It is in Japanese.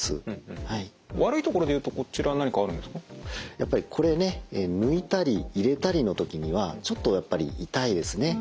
やっぱりこれね抜いたり入れたりの時にはちょっとやっぱり痛いですね。